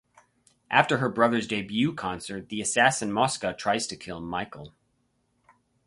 After her brother's debut concert, the assassin Mosca tries to kill Michael.